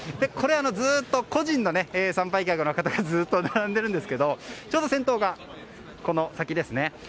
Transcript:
これ、ずっと個人の参拝客の方が並んでるんですけどちょうど先頭が、この先ですね。